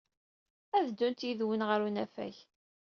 Ad ddunt yid-wen ɣer unafag.